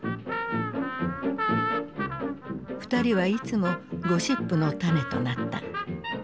２人はいつもゴシップの種となった。